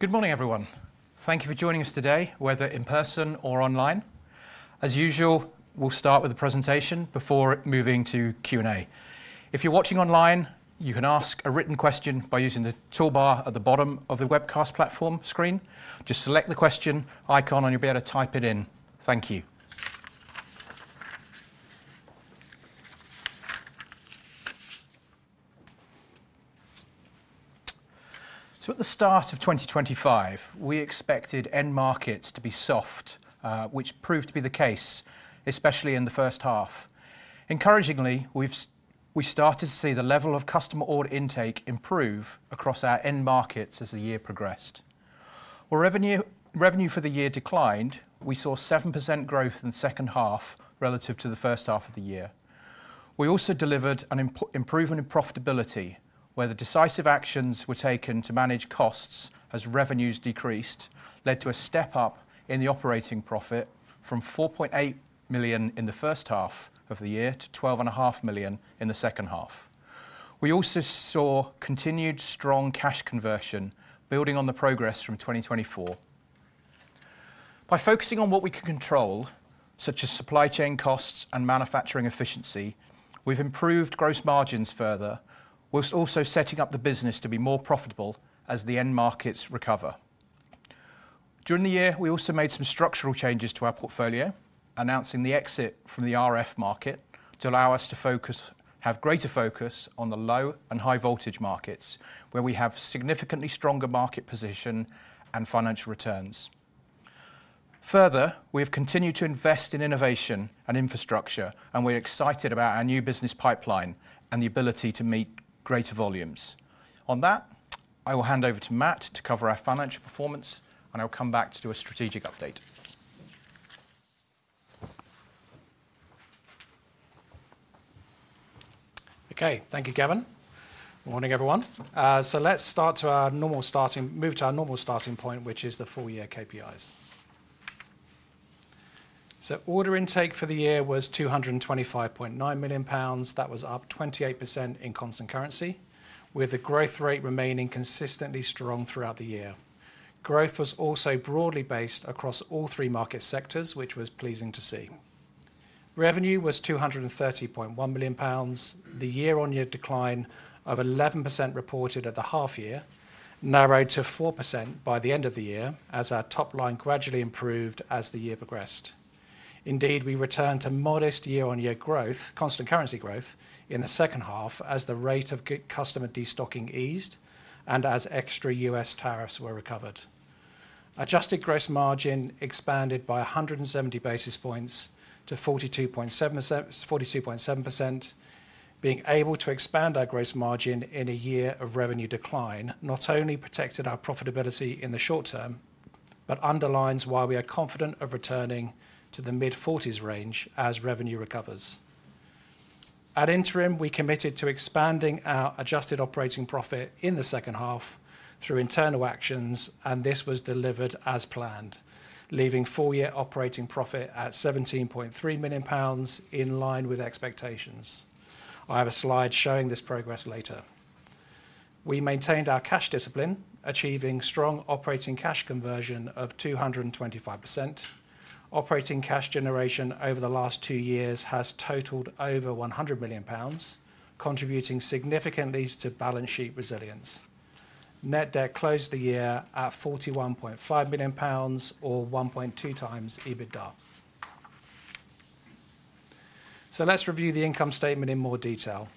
Good morning, everyone. Thank you for joining us today, whether in person or online. As usual, we'll start with the presentation before moving to Q&A. If you're watching online, you can ask a written question by using the toolbar at the bottom of the webcast platform screen. Just select the question icon and you'll be able to type it in. Thank you. At the start of 2025, we expected end markets to be soft, which proved to be the case, especially in the first half. Encouragingly, we've we started to see the level of customer order intake improve across our end markets as the year progressed. Revenue for the year declined. We saw 7% growth in the second half relative to the first half of the year. We also delivered an improvement in profitability, where the decisive actions were taken to manage costs as revenues decreased, led to a step up in the operating profit from 4.8 million in the first half of the year to 12.5 million in the second half. We also saw continued strong cash conversion building on the progress from 2024. By focusing on what we can control, such as supply chain costs and manufacturing efficiency, we've improved gross margins further, while also setting up the business to be more profitable as the end markets recover. During the year, we also made some structural changes to our portfolio, announcing the exit from the RF market to allow us to have greater focus on the low and high voltage markets, where we have significantly stronger market position and financial returns. Further, we have continued to invest in innovation and infrastructure, and we're excited about our new business pipeline and the ability to meet greater volumes. On that, I will hand over to Matt to cover our financial performance, and I will come back to do a strategic update. Okay. Thank you, Gavin. Morning, everyone. Let's move to our normal starting point, which is the full year KPIs. Order intake for the year was 225.9 million pounds. That was up 28% in constant currency, with the growth rate remaining consistently strong throughout the year. Growth was also broadly based across all three market sectors, which was pleasing to see. Revenue was 230.1 million pounds. The year-on-year decline of 11% reported at the half year narrowed to 4% by the end of the year as our top line gradually improved as the year progressed. Indeed, we returned to modest year-on-year growth, constant currency growth, in the second half as the rate of customer destocking eased and as extra U.S. tariffs were recovered. Adjusted gross margin expanded by 170 basis points to 42.7%, 42.7%. Being able to expand our gross margin in a year of revenue decline not only protected our profitability in the short term, but underlines why we are confident of returning to the mid-40s range as revenue recovers. At interim, we committed to expanding our adjusted operating profit in the second half through internal actions, and this was delivered as planned, leaving full year operating profit at 17.3 million pounds in line with expectations. I have a slide showing this progress later. We maintained our cash discipline, achieving strong operating cash conversion of 225%. Operating cash generation over the last two years has totaled over 100 million pounds, contributing significantly to balance sheet resilience. Net debt closed the year at 41.5 million pounds or 1.2x EBITDA. Let's review the income statement in more detail.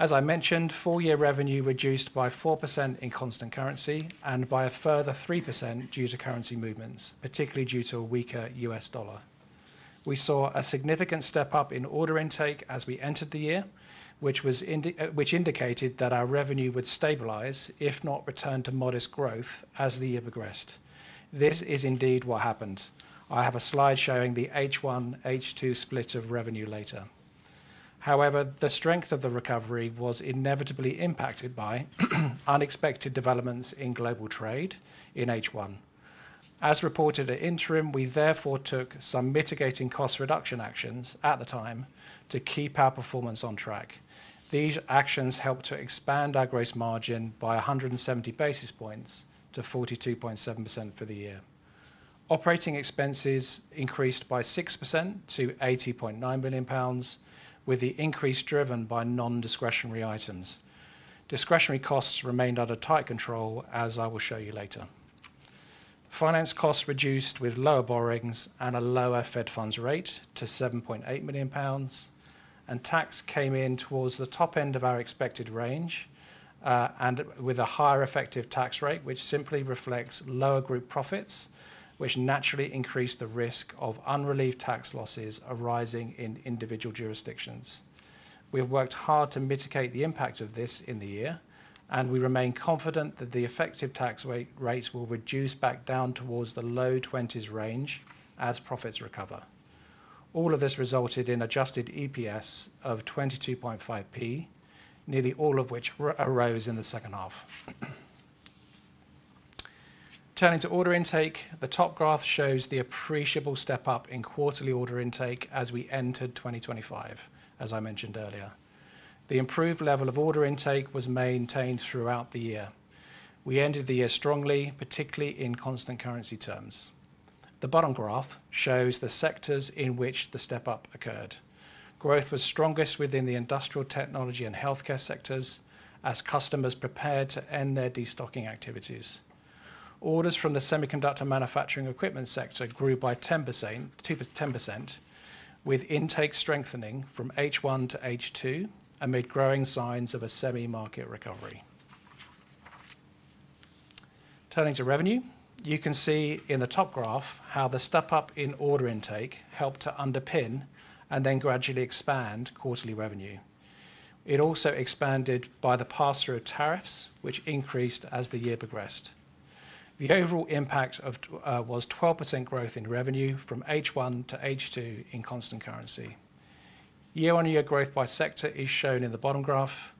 As I mentioned, full year revenue reduced by 4% in constant currency and by a further 3% due to currency movements, particularly due to a weaker U.S. dollar. We saw a significant step up in order intake as we entered the year, which indicated that our revenue would stabilize, if not return to modest growth as the year progressed. This is indeed what happened. I have a slide showing the H1, H2 split of revenue later. The strength of the recovery was inevitably impacted by unexpected developments in global trade in H1. As reported at interim, we therefore took some mitigating cost reduction actions at the time to keep our performance on track. These actions helped to expand our gross margin by 170 basis points to 42.7% for the year. Operating expenses increased by 6% to 80.9 million pounds, with the increase driven by non-discretionary items. Discretionary costs remained under tight control, as I will show you later. Finance costs reduced with lower borrowings and a lower Fed funds rate to 7.8 million pounds. Tax came in towards the top end of our expected range, and with a higher effective tax rate, which simply reflects lower group profits, which naturally increase the risk of unrelieved tax losses arising in individual jurisdictions. We have worked hard to mitigate the impact of this in the year, and we remain confident that the effective tax rate will reduce back down towards the low 20's range as profits recover. All of this resulted in adjusted EPS of 22.5p, nearly all of which arose in the second half. Turning to order intake, the top graph shows the appreciable step up in quarterly order intake as we entered 2025, as I mentioned earlier. The improved level of order intake was maintained throughout the year. We ended the year strongly, particularly in constant currency terms. The bottom graph shows the sectors in which the step up occurred. Growth was strongest within the industrial technology and healthcare sectors as customers prepared to end their destocking activities. Orders from the semiconductor manufacturing equipment sector grew by 10%, 2%-10%, with intake strengthening from H1 to H2 amid growing signs of a semi market recovery. Turning to revenue, you can see in the top graph how the step up in order intake helped to underpin and then gradually expand quarterly revenue. It also expanded by the pass-through of tariffs, which increased as the year progressed. The overall impact was 12% growth in revenue from H1 to H2 in constant currency. Year-on-year growth by sector is shown in the bottom graph.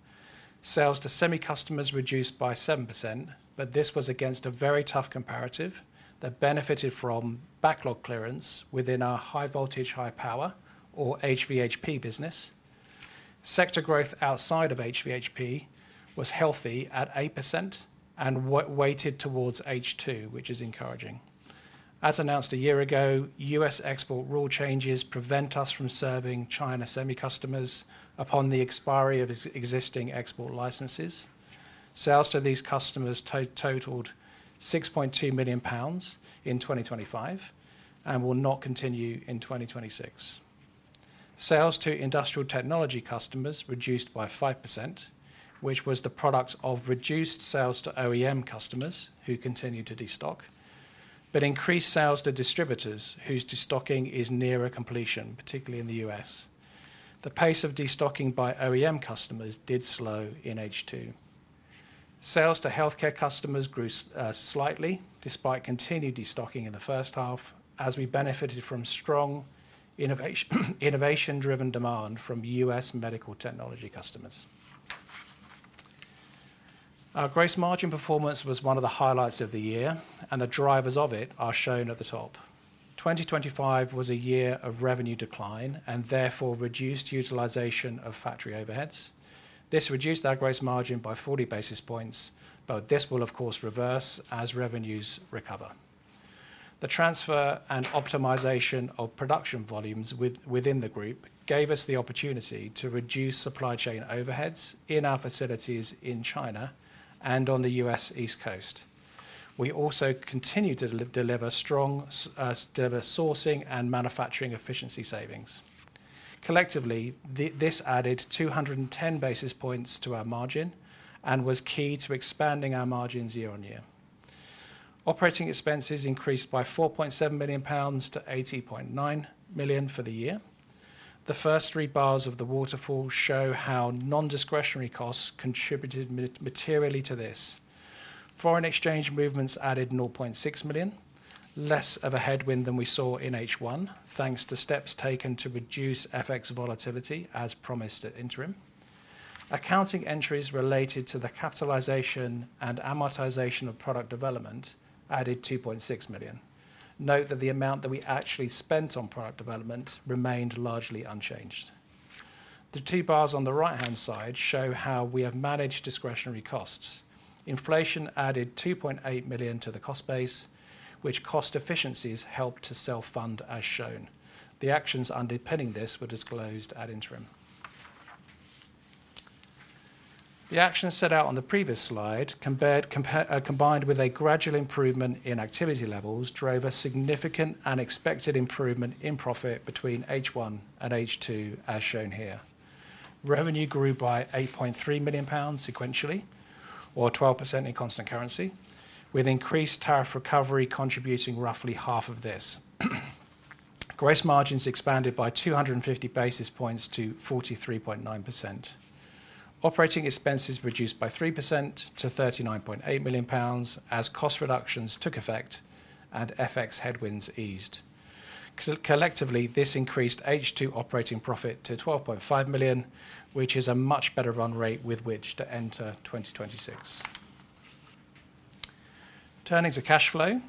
Sales to semi customers reduced by 7%, but this was against a very tough comparative that benefited from backlog clearance within our high voltage, high power or HVHP business. Sector growth outside of HVHP was healthy at 8% and weighted towards H2, which is encouraging. As announced a year ago, US export rule changes prevent us from serving China semi customers upon the expiry of existing export licenses. Sales to these customers totaled 6.2 million pounds in 2025 and will not continue in 2026. Sales to industrial technology customers reduced by 5%, which was the product of reduced sales to OEM customers who continued to destock, but increased sales to distributors whose destocking is nearer completion, particularly in the U.S. The pace of destocking by OEM customers did slow in H2. Sales to healthcare customers grew slightly despite continued destocking in the first half as we benefited from strong innovation driven demand from U.S. medical technology customers. Our gross margin performance was one of the highlights of the year, and the drivers of it are shown at the top. 2025 was a year of revenue decline and therefore reduced utilization of factory overheads. This reduced our gross margin by 40 basis points. This will of course reverse as revenues recover. The transfer and optimization of production volumes within the group gave us the opportunity to reduce supply chain overheads in our facilities in China and on the U.S. East Coast. We also continued to deliver strong sourcing and manufacturing efficiency savings. Collectively, this added 210 basis points to our margin and was key to expanding our margins year-on-year. Operating expenses increased by 4.7 million pounds to 80.9 million for the year. The first three bars of the waterfall show how non-discretionary costs contributed materially to this. Foreign exchange movements added 0.6 million, less of a headwind than we saw in H1, thanks to steps taken to reduce FX volatility as promised at interim. Accounting entries related to the capitalization and amortization of product development added 2.6 million. Note that the amount that we actually spent on product development remained largely unchanged. The two bars on the right-hand side show how we have managed discretionary costs. Inflation added 2.8 million to the cost base, which cost efficiencies helped to self-fund, as shown. The actions underpinning this were disclosed at interim. The actions set out on the previous slide compared combined with a gradual improvement in activity levels drove a significant and expected improvement in profit between H1 and H2, as shown here. Revenue grew by 8.3 million pounds sequentially or 12% in constant currency, with increased tariff recovery contributing roughly half of this. Gross margins expanded by 250 basis points to 43.9%. Operating expenses reduced by 3% to 39.8 million pounds as cost reductions took effect and FX headwinds eased. Collectively, this increased H2 operating profit to 12.5 million, which is a much better run rate with which to enter 2026. Turning to cash flow,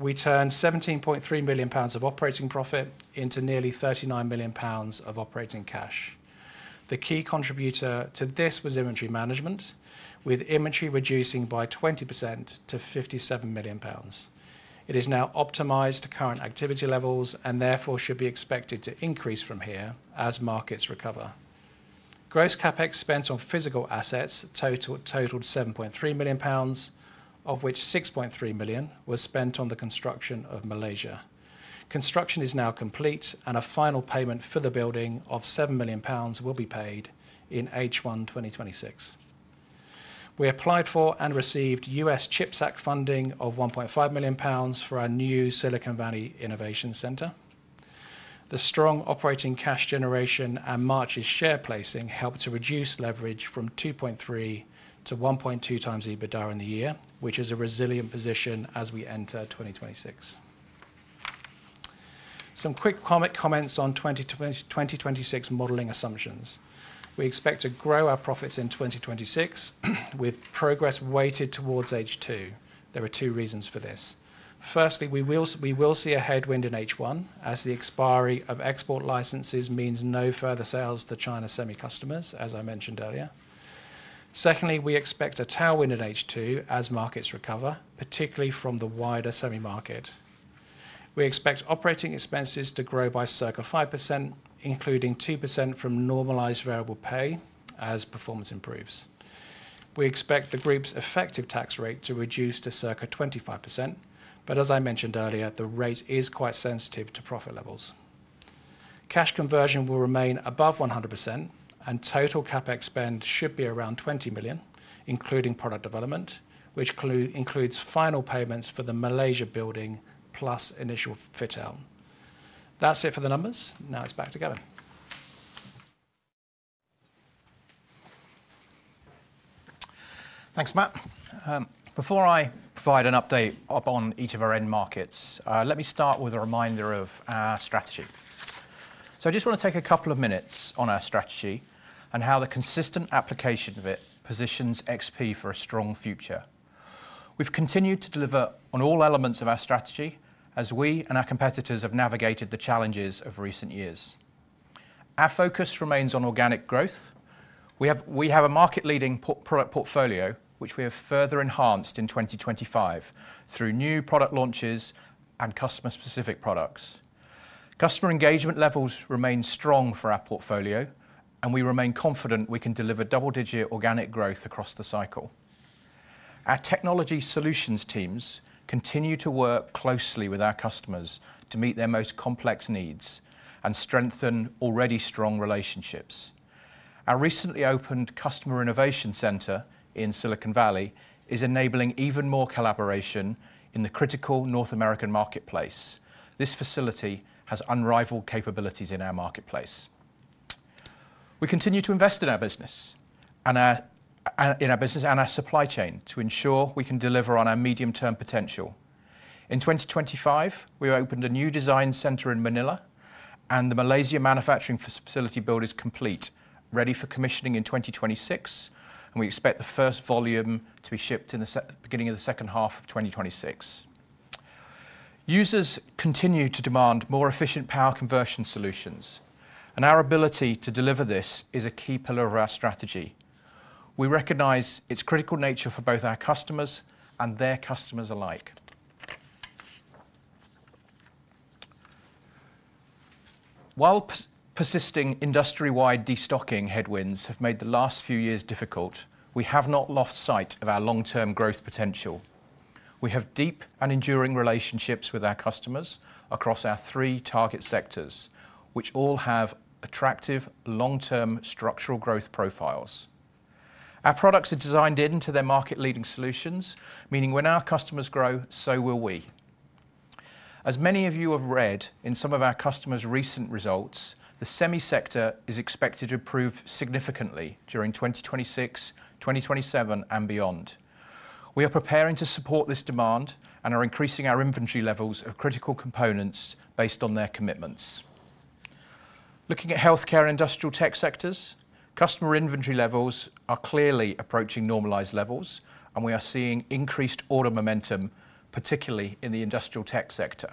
we turned 17.3 million pounds of operating profit into nearly 39 million pounds of operating cash. The key contributor to this was inventory management, with inventory reducing by 20% to 57 million pounds. It is now optimized to current activity levels and therefore should be expected to increase from here as markets recover. Gross CapEx spent on physical assets totaled 7.3 million pounds, of which 6.3 million was spent on the construction of Malaysia. Construction is now complete. A final payment for the building of 7 million pounds will be paid in H1 2026. We applied for and received US CHIPS Act funding of 1.5 million pounds for our new Silicon Valley Innovation Center. The strong operating cash generation and March's share placing helped to reduce leverage from 2.3x to 1.2x EBITDA in the year, which is a resilient position as we enter 2026. Some quick comic comments on 2026 modeling assumptions. We expect to grow our profits in 2026 with progress weighted towards H2. There are two reasons for this. Firstly, we will see a headwind in H1 as the expiry of export licenses means no further sales to China semi customers, as I mentioned earlier. Secondly, we expect a tailwind in H2 as markets recover, particularly from the wider semi market. We expect operating expenses to grow by circa 5%, including 2% from normalized variable pay as performance improves. We expect the group's effective tax rate to reduce to circa 25%. As I mentioned earlier, the rate is quite sensitive to profit levels. Cash conversion will remain above 100%. Total CapEx spend should be around 20 million, including product development, which includes final payments for the Malaysia building plus initial fit out. That's it for the numbers. It's back to Gavin. Thanks, Matt. Before I provide an update up on each of our end markets, let me start with a reminder of our strategy. I just want to take a couple of minutes on our strategy and how the consistent application of it positions XP for a strong future. We've continued to deliver on all elements of our strategy as we and our competitors have navigated the challenges of recent years. Our focus remains on organic growth. We have a market-leading product portfolio, which we have further enhanced in 2025 through new product launches and customer-specific products. Customer engagement levels remain strong for our portfolio, and we remain confident we can deliver double-digit organic growth across the cycle. Our technology solutions teams continue to work closely with our customers to meet their most complex needs and strengthen already strong relationships. Our recently opened Customer Innovation Center in Silicon Valley is enabling even more collaboration in the critical North American marketplace. This facility has unrivaled capabilities in our marketplace. We continue to invest in our business and in our business and our supply chain to ensure we can deliver on our medium-term potential. In 2025, we opened a new design center in Manila and the Malaysia manufacturing facility build is complete, ready for commissioning in 2026, and we expect the first volume to be shipped in the beginning of the second half of 2026. Users continue to demand more efficient power conversion solutions, our ability to deliver this is a key pillar of our strategy. We recognize its critical nature for both our customers and their customers alike. While persisting industry-wide destocking headwinds have made the last few years difficult, we have not lost sight of our long-term growth potential. We have deep and enduring relationships with our customers across our three target sectors, which all have attractive long-term structural growth profiles. Our products are designed into their market-leading solutions, meaning when our customers grow, so will we. As many of you have read in some of our customers' recent results, the semi sector is expected to improve significantly during 2026, 2027 and beyond. We are preparing to support this demand and are increasing our inventory levels of critical components based on their commitments. Looking at healthcare industrial tech sectors, customer inventory levels are clearly approaching normalized levels, and we are seeing increased order momentum, particularly in the industrial tech sector.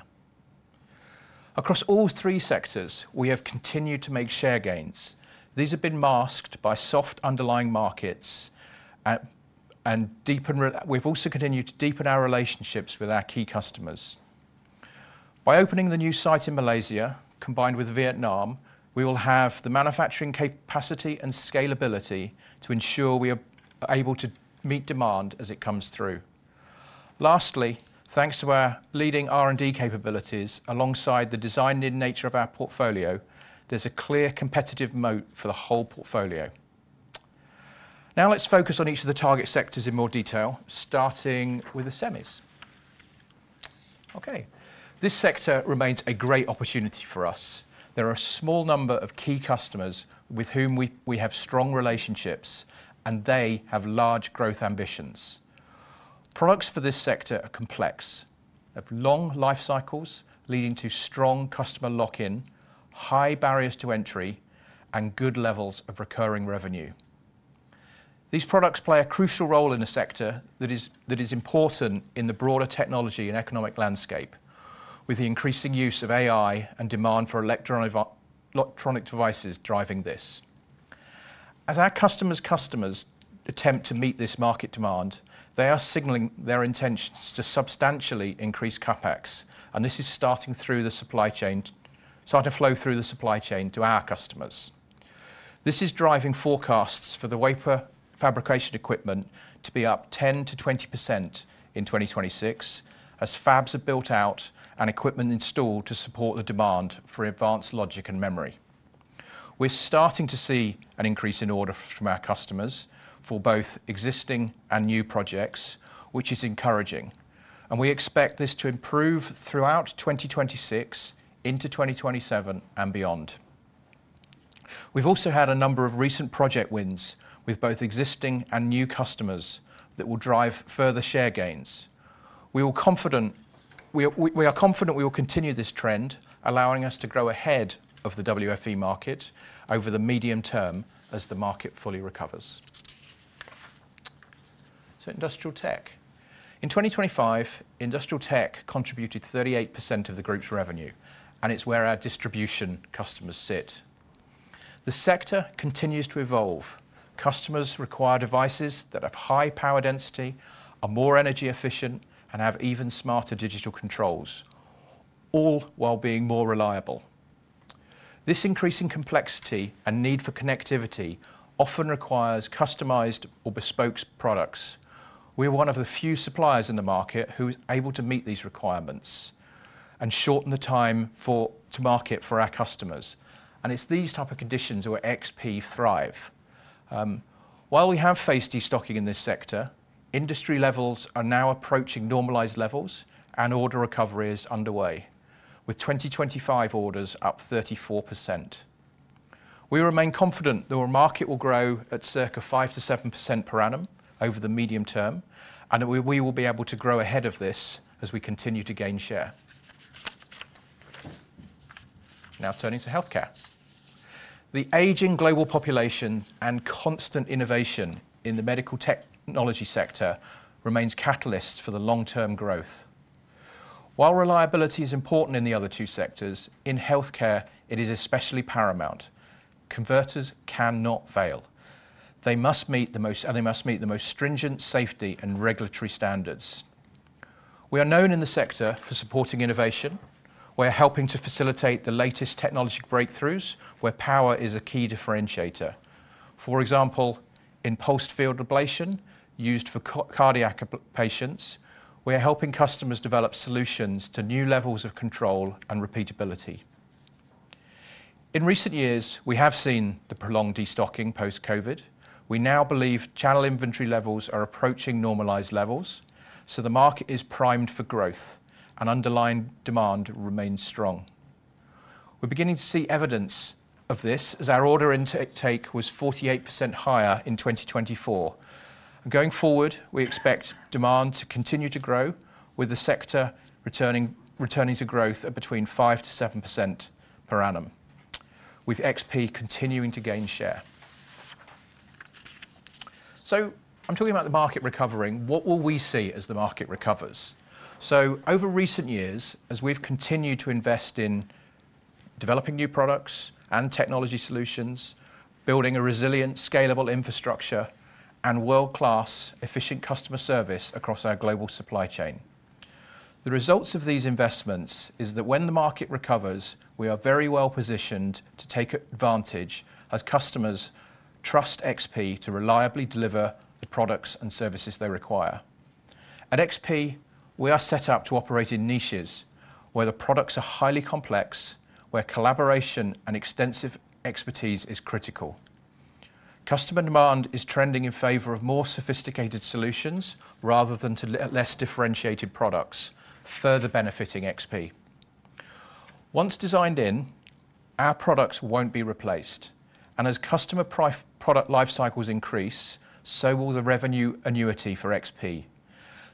Across all three sectors, we have continued to make share gains. These have been masked by soft underlying markets. We've also continued to deepen our relationships with our key customers. By opening the new site in Malaysia, combined with Vietnam, we will have the manufacturing capacity and scalability to ensure we are able to meet demand as it comes through. Lastly, thanks to our leading R&D capabilities alongside the design-led nature of our portfolio, there's a clear competitive moat for the whole portfolio. Let's focus on each of the target sectors in more detail, starting with the semis. Okay. This sector remains a great opportunity for us. There are a small number of key customers with whom we have strong relationships, and they have large growth ambitions. Products for this sector are complex, have long life cycles leading to strong customer lock-in, high barriers to entry, and good levels of recurring revenue. These products play a crucial role in a sector that is important in the broader technology and economic landscape, with the increasing use of AI and demand for electronic devices driving this. As our customers attempt to meet this market demand, they are signaling their intentions to substantially increase CapEx, and this is starting to flow through the supply chain to our customers. This is driving forecasts for the wafer fabrication equipment to be up 10%-20% in 2026 as fabs are built out and equipment installed to support the demand for advanced logic and memory. We're starting to see an increase in order from our customers for both existing and new projects, which is encouraging, and we expect this to improve throughout 2026 into 2027 and beyond. We've also had a number of recent project wins with both existing and new customers that will drive further share gains. We are confident we will continue this trend, allowing us to grow ahead of the WFE market over the medium term as the market fully recovers. Industrial tech. In 2025, industrial tech contributed 38% of the group's revenue, and it's where our distribution customers sit. The sector continues to evolve. Customers require devices that have high power density, are more energy efficient, and have even smarter digital controls, all while being more reliable. This increasing complexity and need for connectivity often requires customized or bespoke products. We're one of the few suppliers in the market who is able to meet these requirements and shorten the time to market for our customers. It's these type of conditions where XP thrive. While we have faced destocking in this sector, industry levels are now approaching normalized levels and order recovery is underway with 2025 orders up 34%. We remain confident that our market will grow at circa 5%-7% per annum over the medium term, and we will be able to grow ahead of this as we continue to gain share. Turning to healthcare. The aging global population and constant innovation in the medical technology sector remains catalyst for the long-term growth. While reliability is important in the other two sectors, in healthcare, it is especially paramount. Converters cannot fail. They must meet the most stringent safety and regulatory standards. We are known in the sector for supporting innovation. We're helping to facilitate the latest technology breakthroughs where power is a key differentiator. For example, in pulsed field ablation, used for cardiac patients, we are helping customers develop solutions to new levels of control and repeatability. In recent years, we have seen the prolonged destocking post-COVID. We now believe channel inventory levels are approaching normalized levels, so the market is primed for growth and underlying demand remains strong. We're beginning to see evidence of this as our order intake was 48% higher in 2024. Going forward, we expect demand to continue to grow with the sector returning to growth at between 5%-7% per annum, with XP continuing to gain share. I'm talking about the market recovering. What will we see as the market recovers? Over recent years, as we've continued to invest in developing new products and technology solutions, building a resilient, scalable infrastructure and world-class efficient customer service across our global supply chain. The results of these investments is that when the market recovers, we are very well-positioned to take advantage as customers trust XP to reliably deliver the products and services they require. At XP, we are set up to operate in niches where the products are highly complex, where collaboration and extensive expertise is critical. Customer demand is trending in favor of more sophisticated solutions rather than less differentiated products, further benefiting XP. Once designed in, our products won't be replaced, and as customer product life cycles increase, so will the revenue annuity for XP.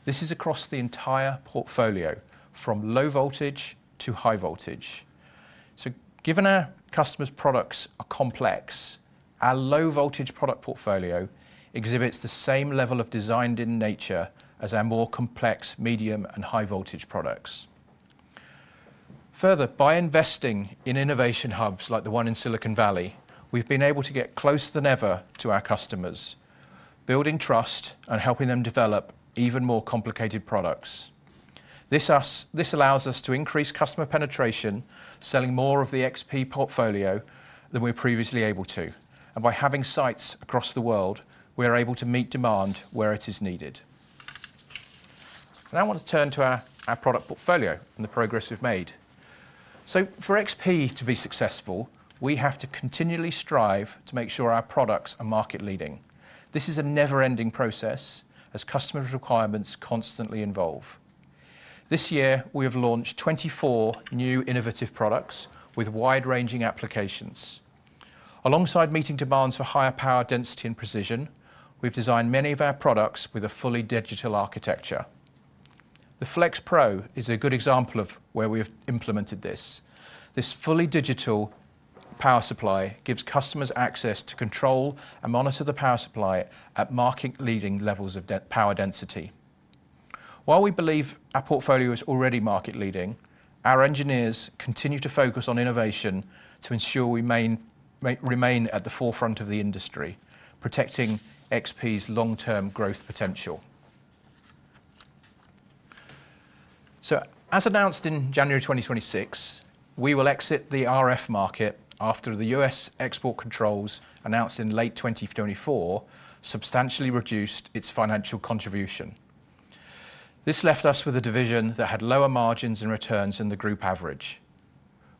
This is across the entire portfolio from low voltage to high voltage. Given our customers' products are complex, our low voltage product portfolio exhibits the same level of designed-in nature as our more complex medium and high voltage products. Further, by investing in innovation hubs like the one in Silicon Valley, we've been able to get closer than ever to our customers, building trust and helping them develop even more complicated products. This allows us to increase customer penetration, selling more of the XP portfolio than we were previously able to. By having sites across the world, we are able to meet demand where it is needed. Now I want to turn to our product portfolio and the progress we've made. For XP to be successful, we have to continually strive to make sure our products are market leading. This is a never-ending process as customers' requirements constantly evolve. This year, we have launched 24 new innovative products with wide-ranging applications. Alongside meeting demands for higher power density and precision, we've designed many of our products with a fully digital architecture. The FLXPro is a good example of where we have implemented this. This fully digital power supply gives customers access to control and monitor the power supply at market leading levels of power density. While we believe our portfolio is already market leading, our engineers continue to focus on innovation to ensure we remain at the forefront of the industry, protecting XP's long-term growth potential. As announced in January 2026, we will exit the RF market after the U.S. export controls announced in late 2024 substantially reduced its financial contribution. This left us with a division that had lower margins and returns than the group average.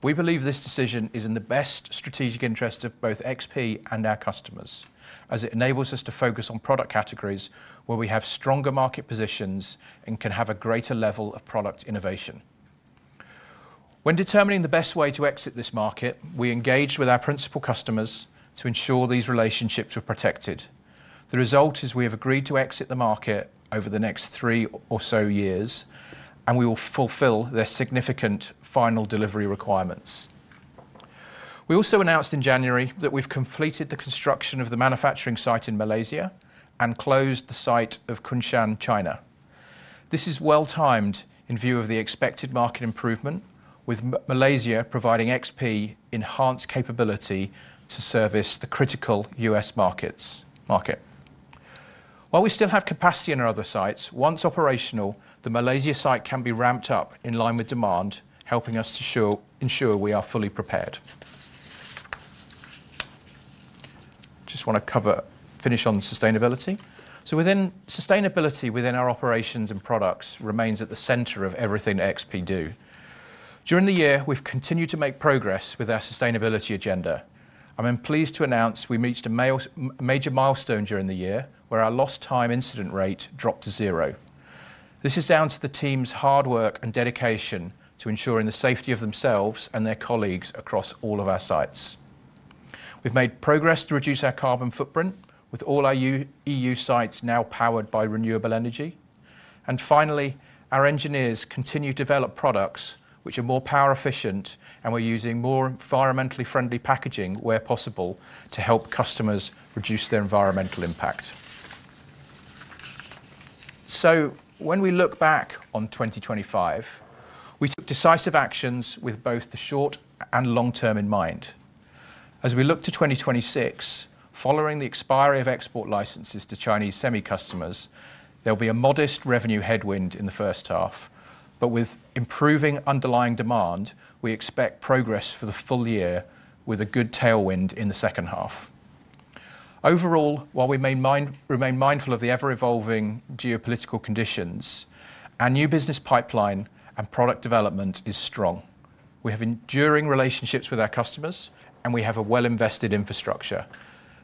We believe this decision is in the best strategic interest of both XP and our customers, as it enables us to focus on product categories where we have stronger market positions and can have a greater level of product innovation. When determining the best way to exit this market, we engaged with our principal customers to ensure these relationships were protected. The result is we have agreed to exit the market over the next three or so years, and we will fulfill their significant final delivery requirements. We also announced in January that we've completed the construction of the manufacturing site in Malaysia and closed the site of Kunshan, China. This is well-timed in view of the expected market improvement, with Malaysia providing XP enhanced capability to service the critical U.S. market. While we still have capacity in our other sites, once operational, the Malaysia site can be ramped up in line with demand, helping us to ensure we are fully prepared. Just wanna finish on sustainability. Sustainability within our operations and products remains at the center of everything that XP do. During the year, we've continued to make progress with our sustainability agenda, and I'm pleased to announce we reached a major milestone during the year where our lost time incident rate dropped to zero. This is down to the team's hard work and dedication to ensuring the safety of themselves and their colleagues across all of our sites. We've made progress to reduce our carbon footprint, with all our E.U. sites now powered by renewable energy. Finally, our engineers continue to develop products which are more power efficient, and we're using more environmentally friendly packaging where possible to help customers reduce their environmental impact. When we look back on 2025, we took decisive actions with both the short and long term in mind. As we look to 2026, following the expiry of export licenses to Chinese semi customers, there'll be a modest revenue headwind in the first half. With improving underlying demand, we expect progress for the full year with a good tailwind in the second half. Overall, while we remain mindful of the ever-evolving geopolitical conditions, our new business pipeline and product development is strong. We have enduring relationships with our customers, and we have a well-invested infrastructure.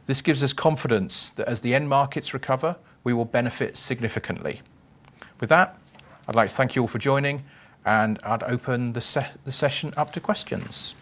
This gives us confidence that as the end markets recover, we will benefit significantly. With that, I'd like to thank you all for joining, and I'd open the session up to questions.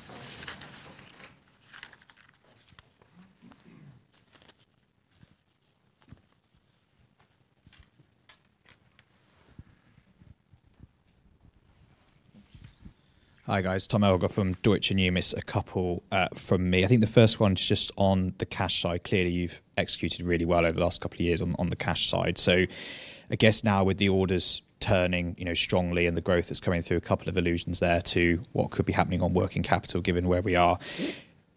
Hi, guys. Tom Elgar from Deutsche Numis. A couple from me. I think the first one is just on the cash side. Clearly, you've executed really well over the last couple of years on the cash side. I guess now with the orders turning, you know, strongly and the growth that's coming through, a couple of allusions there to what could be happening on working capital given where we are.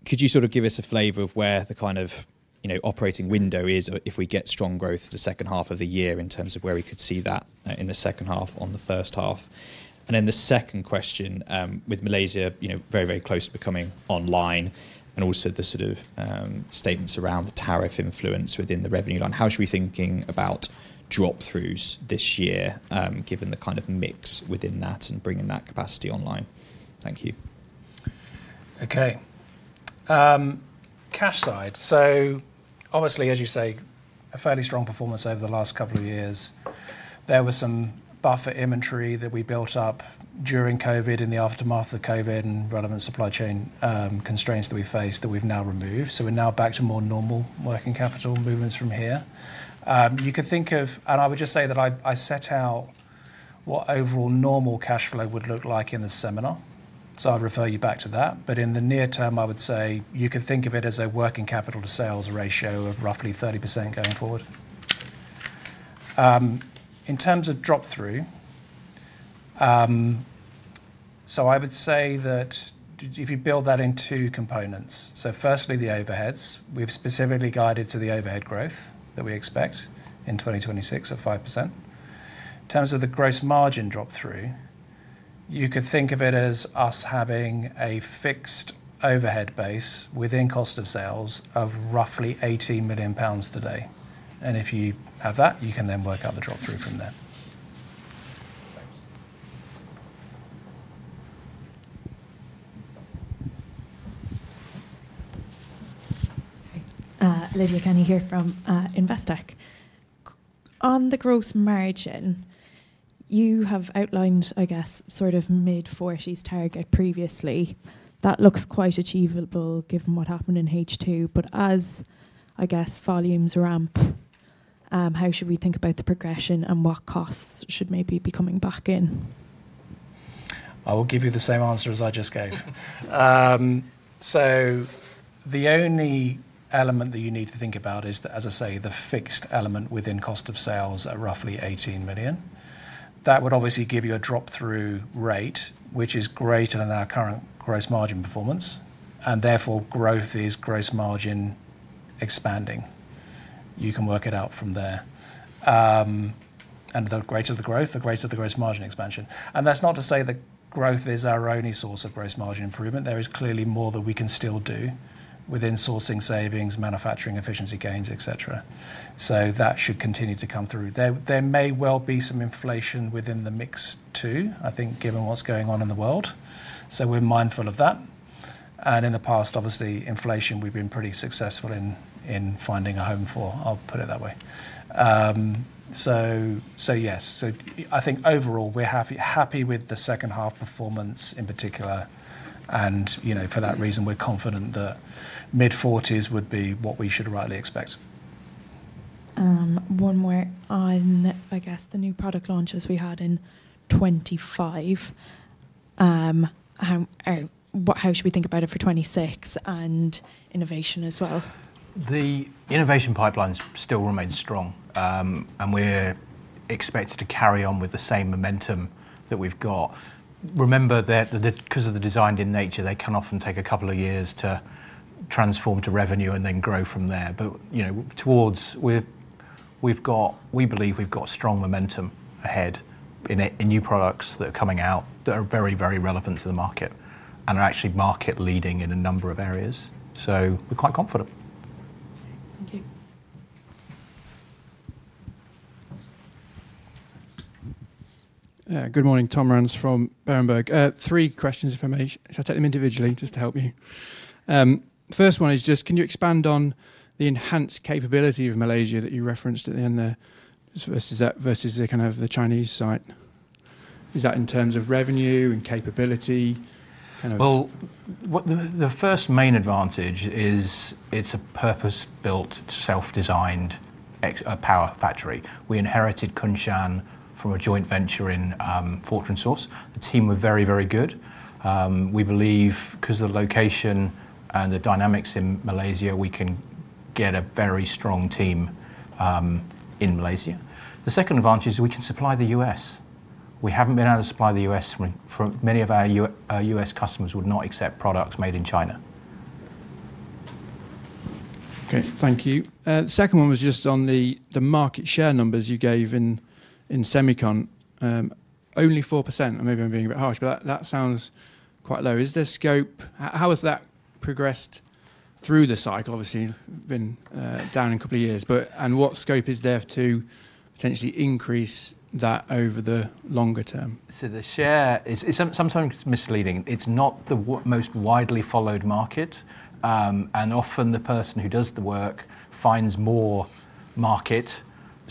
Could you sort of give us a flavor of where the kind of, you know, operating window is if we get strong growth the second half of the year in terms of where we could see that in the second half on the first half? The second question, with Malaysia, you know, very, very close to becoming online and also the sort of, statements around the tariff influence within the revenue line, how should we be thinking about drop-throughs this year, given the kind of mix within that and bringing that capacity online? Thank you. Okay. Cash side. Obviously, as you say, a fairly strong performance over the last couple of years. There was some buffer inventory that we built up during COVID, in the aftermath of COVID, and relevant supply chain constraints that we faced that we've now removed. We're now back to more normal working capital movements from here. You could think of... I would just say that I set out what overall normal cash flow would look like in the seminar, so I'd refer you back to that. In the near term, I would say you could think of it as a working capital to sales ratio of roughly 30% going forward. In terms of drop-through, I would say that if you build that in two components. Firstly, the overheads. We've specifically guided to the overhead growth that we expect in 2026 of 5%. In terms of the gross margin drop-through, you could think of it as us having a fixed overhead base within cost of sales of roughly 18 million pounds today. If you have that, you can then work out the drop-through from there. Thanks. Okay. Lydia Kenny here from Investec. On the gross margin, you have outlined, I guess, sort of mid-forties target previously. That looks quite achievable given what happened in H2. As, I guess, volumes ramp, how should we think about the progression, and what costs should maybe be coming back in? I will give you the same answer as I just gave. The only element that you need to think about is, as I say, the fixed element within cost of sales at roughly 18 million. That would obviously give you a drop-through rate which is greater than our current gross margin performance, and therefore growth is gross margin expanding. You can work it out from there. The greater the growth, the greater the gross margin expansion. That's not to say that growth is our only source of gross margin improvement. There is clearly more that we can still do within sourcing savings, manufacturing efficiency gains, et cetera. That should continue to come through. There may well be some inflation within the mix too, I think, given what's going on in the world. We're mindful of that. In the past, obviously, inflation we've been pretty successful in finding a home for. I'll put it that way. Yes. I think overall we're happy with the second half performance in particular. You know, for that reason, we're confident that mid-40s would be what we should rightly expect. One more on, I guess, the new product launches we had in 2025. How should we think about it for 2026 and innovation as well? The innovation pipelines still remain strong, and we're expected to carry on with the same momentum that we've got. Remember that because of the designed in nature, they can often take a couple of years to transform to revenue and then grow from there. You know, We believe we've got strong momentum ahead in a, in new products that are coming out that are very, very relevant to the market and are actually market leading in a number of areas. We're quite confident. Thank you. Good morning. Tom Rance from Berenberg. Three questions if I may. Shall I take them individually just to help me? First one is just can you expand on the enhanced capability of Malaysia that you referenced at the end there versus that, versus the Chinese site? Is that in terms of revenue and capability? What the first main advantage is it's a purpose-built, self-designed power factory. We inherited Kunshan from a joint venture in Fortron Source. The team were very, very good. We believe because of the location and the dynamics in Malaysia, we can get a very strong team in Malaysia. The second advantage is we can supply the US. We haven't been able to supply the U.S. For many of our U.S. customers would not accept products made in China. Okay. Thank you. The second one was just on the market share numbers you gave in semicon. Only 4%. Maybe I'm being a bit harsh, but that sounds quite low. Is there scope? How has that progressed through the cycle? Obviously, been down a couple of years. What scope is there to potentially increase that over the longer term? The share is sometimes it's misleading. It's not the most widely followed market, and often the person who does the work finds more market.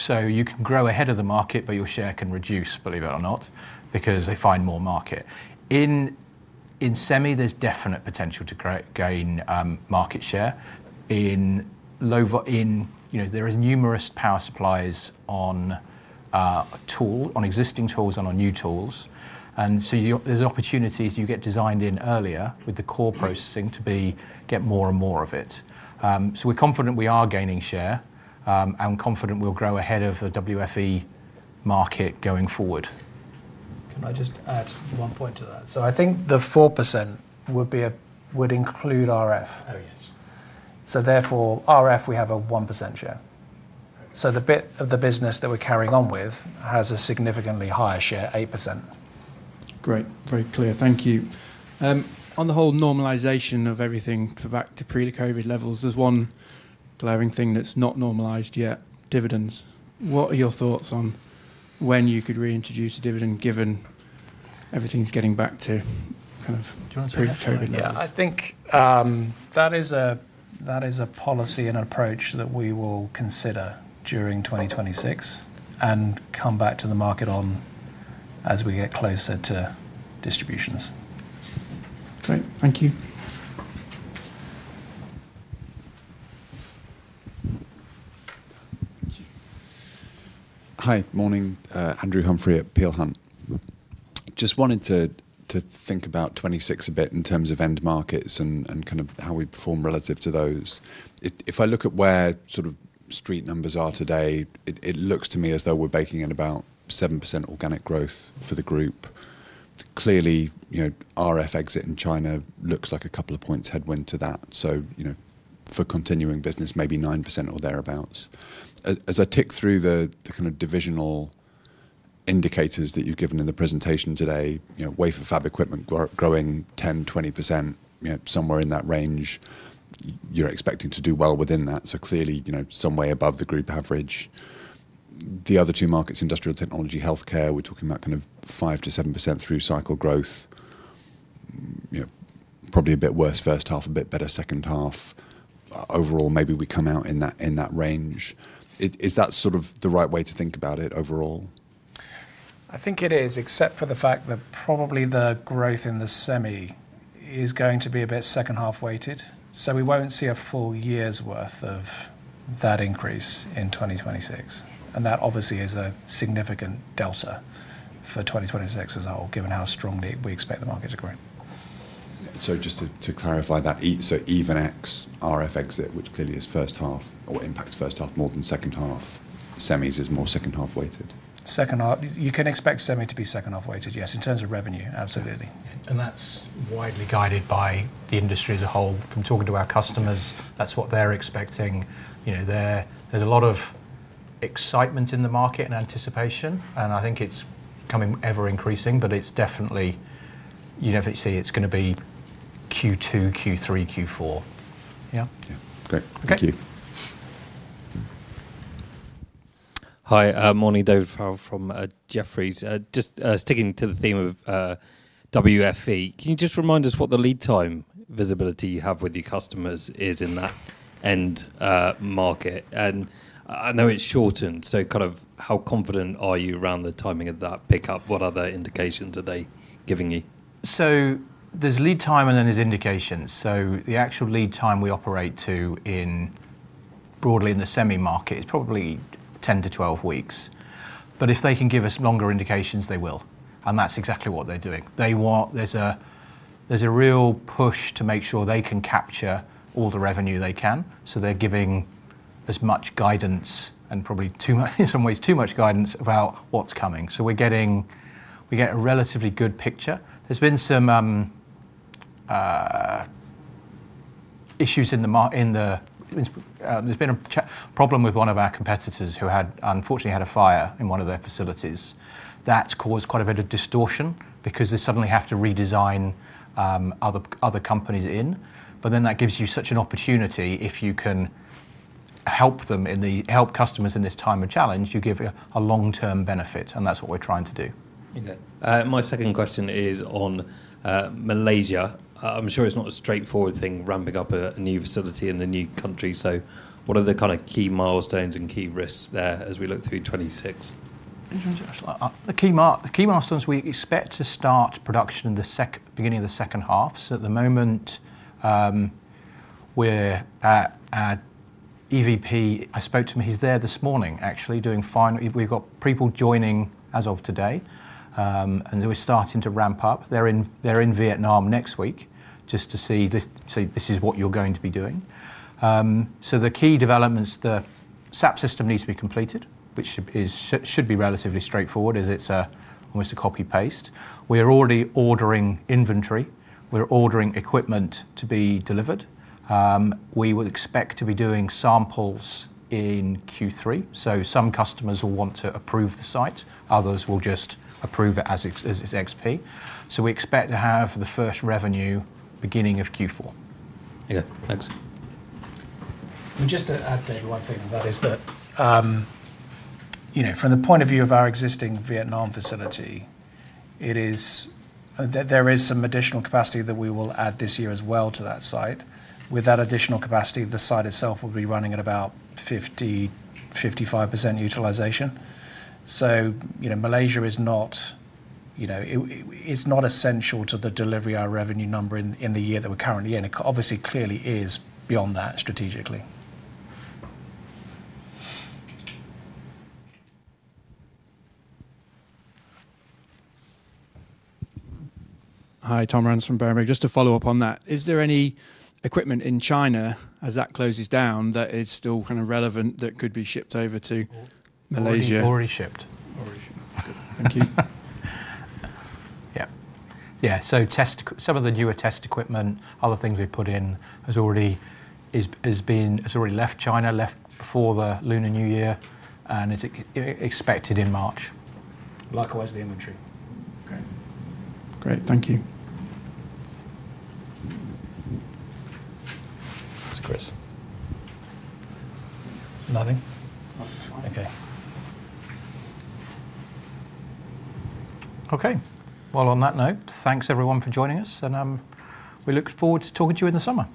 You can grow ahead of the market, but your share can reduce, believe it or not, because they find more market. In semi, there's definite potential to gain market share. In low In, you know, there are numerous power supplies on a tool, on existing tools and on new tools. There's opportunities you get designed in earlier with the core processing to be get more and more of it. We're confident we are gaining share, and confident we'll grow ahead of the WFE market going forward. Can I just add one point to that? I think the 4% would include RF. Oh, yes. RF we have a 1% share. The bit of the business that we're carrying on with has a significantly higher share, 8%. Great. Very clear. Thank you. On the whole normalization of everything back to pre-COVID levels, there's one glaring thing that's not normalized yet, dividends. What are your thoughts on when you could reintroduce a dividend given everything's getting back to kind of pre-COVID levels? Do you wanna take that? Yeah. I think, that is a policy and approach that we will consider during 2026 and come back to the market on as we get closer to distributions. Great. Thank you. Thank you. Hi. Morning. Andrew Humphrey at Peel Hunt. Just wanted to think about 26 a bit in terms of end markets and kind of how we perform relative to those. If I look at where sort of street numbers are today, it looks to me as though we're baking in about 7% organic growth for the group. Clearly, you know, RF exit in China looks like a couple of points headwind to that. You know, for continuing business, maybe 9% or thereabouts. As I tick through the kind of divisional indicators that you've given in the presentation today, you know, wafer fab equipment growing 10%-20%, you know, somewhere in that range, you're expecting to do well within that. Clearly, you know, some way above the group average. The other two markets, industrial technology, healthcare, we're talking about kind of 5%-7% through cycle growth. You know, probably a bit worse first half, a bit better second half. Overall, maybe we come out in that, in that range. Is that sort of the right way to think about it overall? I think it is, except for the fact that probably the growth in the semi is going to be a bit second half weighted. We won't see a full year's worth of that increase in 2026. That obviously is a significant delta for 2026 as a whole, given how strongly we expect the market to grow. Just to clarify that. So even XP RF exit, which clearly is first half or impacts first half more than second half, semis is more second half weighted. Second half. You can expect semi to be second half weighted, yes, in terms of revenue. Absolutely. That's widely guided by the industry as a whole. From talking to our customers, that's what they're expecting. You know, there's a lot of excitement in the market and anticipation, and I think it's coming ever increasing, but it's definitely, you definitely see it's gonna be Q2, Q3, Q4. Yeah. Yeah. Great. Thank you. Hi. Morning, David Farrell from Jefferies. Just sticking to the theme of WFE, can you just remind us what the lead time visibility you have with your customers is in that end market? I know it's shortened, so kind of how confident are you around the timing of that pickup? What other indications are they giving you? There's lead time, and then there's indications. The actual lead time we operate to in, broadly in the semi market is probably 10 to 12 weeks. If they can give us longer indications, they will, and that's exactly what they're doing. They want. There's a real push to make sure they can capture all the revenue they can, so they're giving as much guidance and probably in some ways, too much guidance about what's coming. We get a relatively good picture. There's been some issues. There's been a problem with one of our competitors who had unfortunately had a fire in one of their facilities. That's caused quite a bit of distortion because they suddenly have to redesign, other companies in. That gives you such an opportunity if you can help customers in this time of challenge, you give a long-term benefit. That's what we're trying to do. Okay. My second question is on Malaysia. I'm sure it's not a straightforward thing ramping up a new facility in a new country. What are the kinda key milestones and key risks there as we look through 2026? The key milestones we expect to start production beginning of the second half. At the moment, we're at EVP. I spoke to him. He's there this morning actually doing. We've got people joining as of today, and we're starting to ramp up. They're in Vietnam next week just to see this is what you're going to be doing. The key developments, the SAP system needs to be completed, which should be relatively straightforward, as it's almost a copy-paste. We're already ordering inventory. We're ordering equipment to be delivered. We would expect to be doing samples in Q3, some customers will want to approve the site. Others will just approve it as its XP. We expect to have the first revenue beginning of Q4. Okay, thanks. Just to add to one thing on that is that, you know, from the point of view of our existing Vietnam facility, there is some additional capacity that we will add this year as well to that site. With that additional capacity, the site itself will be running at about 50%-55% utilization. You know, Malaysia is not, you know, it is not essential to the delivery of our revenue number in the year that we're currently in. It obviously clearly is beyond that strategically. Hi, Tom Rance from Berenberg. Just to follow up on that, is there any equipment in China as that closes down that is still kind of relevant that could be shipped over to Malaysia? Already shipped. Already shipped. Thank you. Yeah. Yeah. Some of the newer test equipment, other things we've put in has already left China, left before the Lunar New Year, it's expected in March. Likewise, the inventory. Okay, great. Thank you. It's Chris. Nothing? No, just one. Okay. Okay. On that note, thanks everyone for joining us and we look forward to talking to you in the summer.